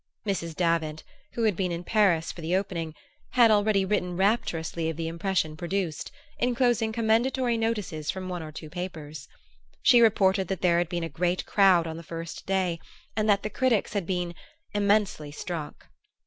Mrs. Davant, who had been in Paris for the opening, had already written rapturously of the impression produced, enclosing commendatory notices from one or two papers. She reported that there had been a great crowd on the first day, and that the critics had been "immensely struck."